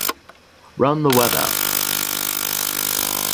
Run the web app